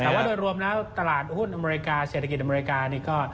แต่ว่าโดยรวมแล้วตลาดหุ้นอเมริกาเศรษฐกิจอเมริกานี่ก็